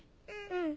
うん。